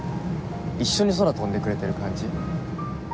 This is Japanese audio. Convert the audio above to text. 一緒に空飛んでくれてる感じ。